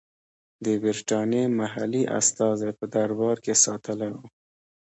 د برټانیې محلي استازی په دربار کې ساتلی وو.